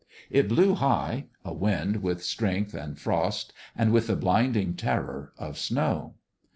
It blew high a wind with strength and frost and with the blinding terror of snow.